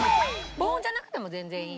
防音じゃなくても全然いい。